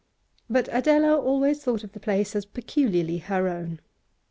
But Adela always thought of the place as peculiarly her own.